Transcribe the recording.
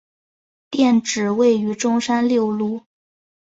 店址位于中山六路。